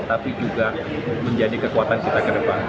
tapi juga menjadi kekuatan kita ke depan